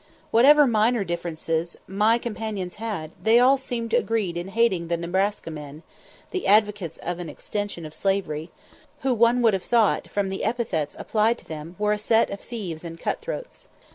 Whatever minor differences my companions had, they all seemed agreed in hating the "Nebraska men" (the advocates of an extension of slavery), who one would have thought, from the epithets applied to them, were a set of thieves and cut throats.